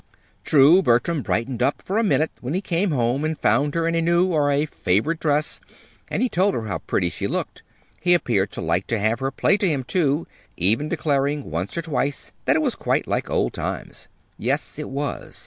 True, Bertram brightened up, for a minute, when he came home and found her in a new or a favorite dress, and he told her how pretty she looked. He appeared to like to have her play to him, too, even declaring once or twice that it was quite like old times, yes, it was.